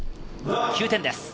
９点です。